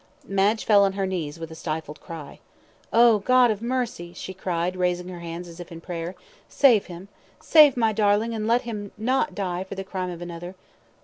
Madge fell on her knees, with a stifled cry. "Oh, God of Mercy," she cried, raising her hands as if in prayer, "save him. Save my darling, and let him not die for the crime of another.